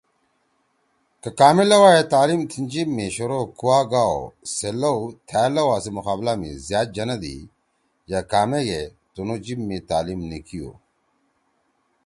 کہ کامے لؤا ئے تعلیم تھیِن جیِب می شروع کُوا گا او سے لؤ تھأ لؤا سی مقابلہ می زیاد جنَدی یأ کامیگے تنُو جیِب می تعلیم نِی کیِؤ۔